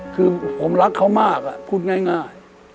คือผมรักเขามากพูดง่าย